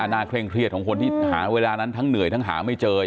เคร่งเครียดของคนที่หาเวลานั้นทั้งเหนื่อยทั้งหาไม่เจอ